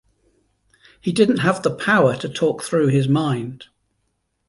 He didn't have the power to talk through his mind.